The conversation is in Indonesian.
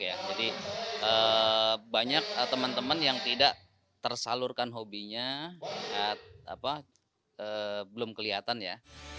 jadi banyak teman teman yang tidak tersalurkan hobinya belum kelihatan ya